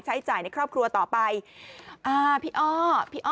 ใช้จ่ายในครอบครัวต่อไปอ่าพี่อ้อพี่อ้อ